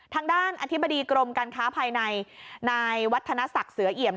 ทางด้านอธิบดีกรมการค้าภายในนายวัฒนศักดิ์เสือเอี่ยม